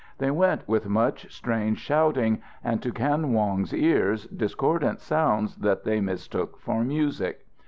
They went with much strange shouting and, to Kan Wong's ears, discordant sounds that they mistook for music.